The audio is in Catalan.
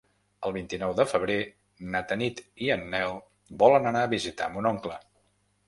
El vint-i-nou de febrer na Tanit i en Nel volen anar a visitar mon oncle.